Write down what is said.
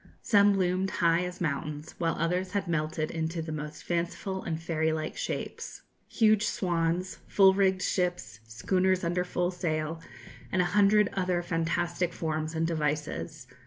Some loomed high as mountains, while others had melted into the most fanciful and fairy like shapes huge swans, full rigged ships, schooners under full sail, and a hundred other fantastic forms and devices.